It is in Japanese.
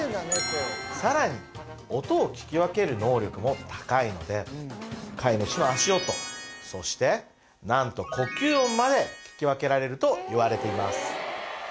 さらに音を聞き分ける能力も高いので飼い主の足音そしてなんと呼吸音まで聞き分けられるといわれています